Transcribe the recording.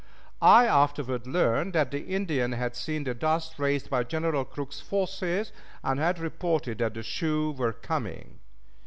I afterward learned that the Indian had seen the dust raised by General Crook's forces, and had reported that the Sioux were coming.